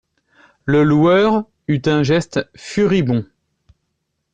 Le loueur eut un geste furibond.